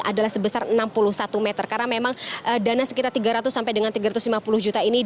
adalah sebesar enam puluh satu meter karena memang dana sekitar tiga ratus sampai dengan tiga ratus lima puluh juta ini